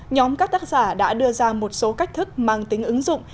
nhóm các tác giả đã đưa ra một số cách thức mang tính ứng dụng